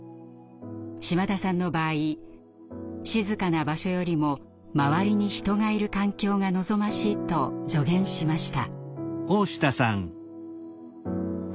島田さんの場合静かな場所よりも周りに人がいる環境が望ましいと助言しました。